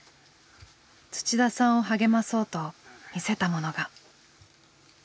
土田さんを励まそうと見せたものが。